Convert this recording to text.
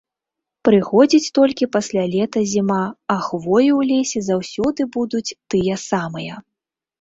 Прыходзіць толькі пасля лета зіма, а хвоі ў лесе заўсёды будуць тыя самыя.